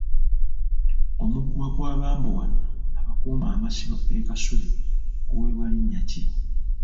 Omuguwa gw'abambowa abakuuma amasiro e Kasubi guweebwa linnya ki?